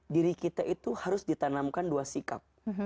diri kita itu harus ditanamkan dua sikap